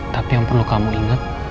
tapi yang perlu kamu ingat